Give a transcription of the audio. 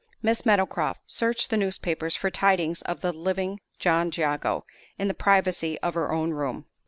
Miss Meadowcroft searched the newspapers for tidings of the living John Jago in the privacy of her own room.